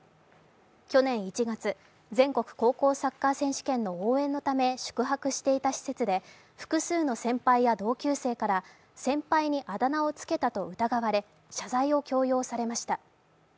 去年１月、全国高校サッカー選手権の応援のため宿泊していた施設で複数の先輩や同級生から先輩にあだ名をつけたと疑われ謝罪を強要されました。